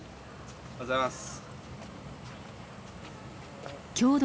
おはようございます。